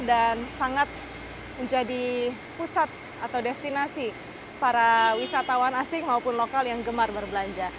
dan sangat menjadi pusat atau destinasi para wisatawan asing maupun lokal yang gemar berbelanja